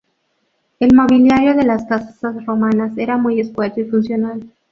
El mobiliario de las casas romanas era muy escueto y funcional.